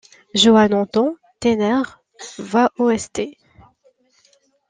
Johann Anton Theiner va au St.